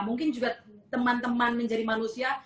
mungkin juga teman teman menjadi manusia